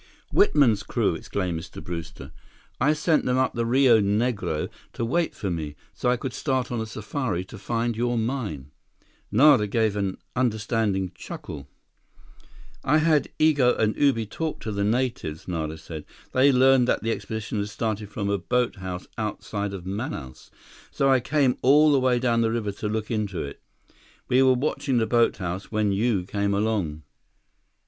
"Whitman's crew!" exclaimed Mr. Brewster. "I sent them up the Rio Negro to wait for me, so I could start on a safari to find your mine." Nara gave an understanding chuckle. "I had Igo and Ubi talk to the natives," Nara said. "They learned that the expedition had started from a boathouse outside of Manaus. So I came all the way down the river to look into it. We were watching the boathouse when you came along."